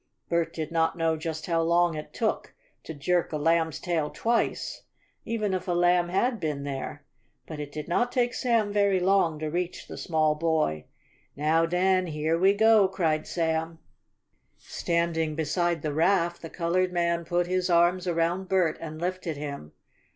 Bert did not know just how long it took to jerk a lamb's tail twice, even if a lamb had been there. But it did not take Sam very long to reach the small boy. "Now den, heah we go!" cried Sam. Standing beside the raft, the colored man put his arms around Bert and lifted him.